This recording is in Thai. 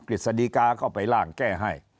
ฤษฎีกาก็ไปล่างแก้ให้